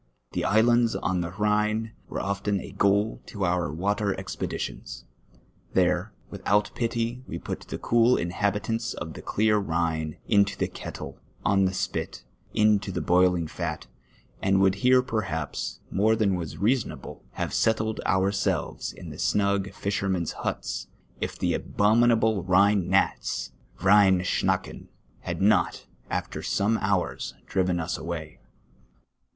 ITic islands on tlie llhine were often a goal to our water expedi tions. There, without pity, we put the cool inhabitants of the clear llhine into tlie kettle, on the spit, into the boiling fat, and would here perhaps, more than was reasonable, have settled ourselves in the snug fishermen's huts, if the abomin able Ilhine gnats {Rhcin schnaken) had not, after some hours, di'ivcn us away.